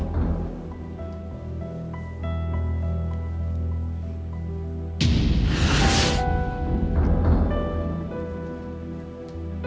ya oke oke sekarang